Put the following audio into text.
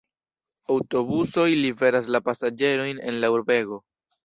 Aŭtobusoj liveras la pasaĝerojn en la urbego.